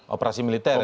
operasi militer ya